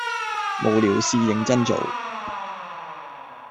無聊事認真做